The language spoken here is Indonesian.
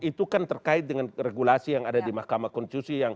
itu kan terkait dengan regulasi yang ada di mahkamah konstitusi